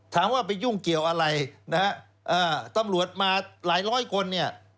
ถามว่าไปยุ่งเกี่ยวอะไรนะฮะตำรวจมาหลายร้อยคนเนี่ย